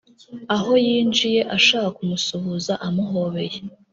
aho yinjiye ashaka kumusuhuza amuhobeye